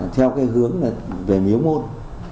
theo hướng về miếu môn